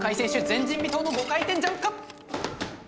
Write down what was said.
前人未到の５回転ジャンプか！